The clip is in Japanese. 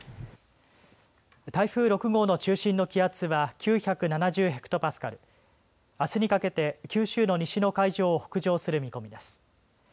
台風６号の中心の気圧は９７０ヘクトパスカル、あすにかけて九州の西の海上を北上する見込みです。